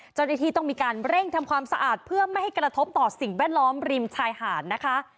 เจ้าหน้าที่ต้องมีการเร่งทำความสะอาดเพื่อไม่ให้กระทบต่อสิ่งแวดล้อมริมชายหาดนะคะ